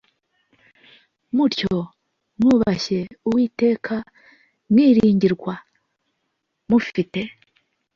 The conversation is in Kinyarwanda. mutyo mwubashye uwiteka mwiringirwa mufite